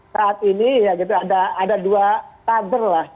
saat ini ya gitu ada dua taber lah